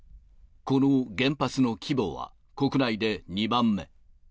この原発の規模は、国内で２番目。